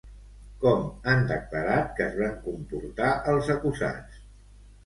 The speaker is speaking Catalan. Com han declarat que es van comportar els acusats?